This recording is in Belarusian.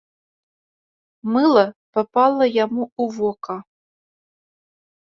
Мыла папала яму ў вока.